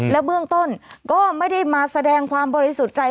เบื้องต้นก็ไม่ได้มาแสดงความบริสุทธิ์ใจ